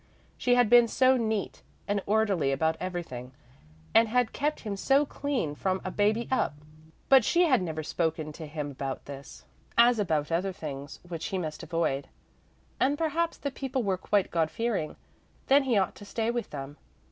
She had been so neat and orderly about everything and had kept him so clean from a baby up. But she had never spoken to him about this, as about other things which he must avoid, and perhaps the people were quite God fearing; then he ought to stay with them.